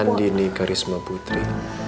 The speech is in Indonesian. andi ini karisma putri